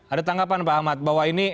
ada tanggapan pak ahmad bahwa ini